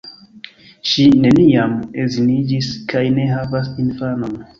Ŝi neniam edziniĝis kaj ne havas infanon.